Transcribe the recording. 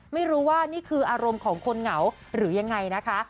ไม่รู้ว่านี่คืออารมณ์ของคนเหงาหรือยังไงนะคะ